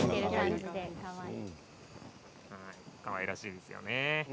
かわいらしいですよね。